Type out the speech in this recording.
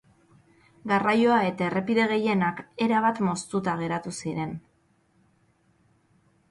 Garraioa eta errepide gehienak erabat moztuta geratu ziren.